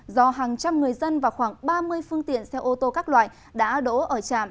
do hàng trăm người dân và khoảng ba mươi phương tiện xe ô tô các loại đã đỗ ở trạm